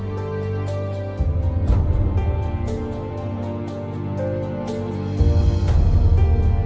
โปรดติดตามต่อไป